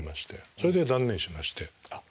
それで断念しまして。